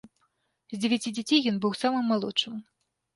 З дзевяці дзяцей ён быў самым малодшым.